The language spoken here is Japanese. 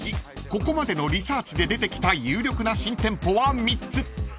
ここまでのリサーチで出てきた有力な新店舗は３つ］